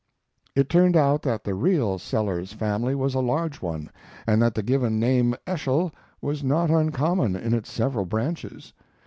It turned out that the real Sellers family was a large one, and that the given name Eschol was not uncommon in its several branches.